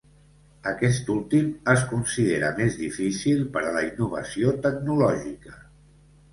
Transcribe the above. Aquest últim es considera més difícil per a la innovació tecnològica.